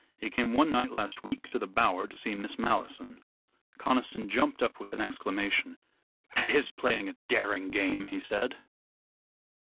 He came one night last week to the Bower to see Miss Malleson." Conniston jumped up with an exclamation. "That is playing a daring game," he said.